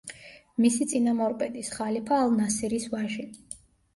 მისი წინამორბედის, ხალიფა ალ-ნასირის ვაჟი.